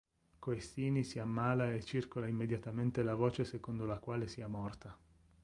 Koestini si ammala e circola immediatamente la voce secondo la quale sia morta.